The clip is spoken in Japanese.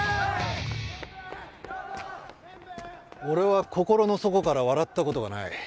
俺は心の底から笑った事がない。